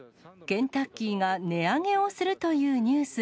ケンタッキーが値上げをするというニュース。